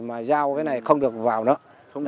mà giao cái này không được vào nữa